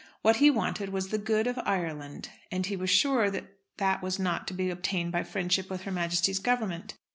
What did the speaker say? What he wanted was the "good of Ireland." And he was sure that that was not to be obtained by friendship with Her Majesty's Government.